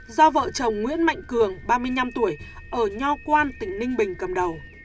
do vợ chồng nguyễn mạnh cường ba mươi năm tuổi ở nho quan tỉnh ninh bình cầm đầu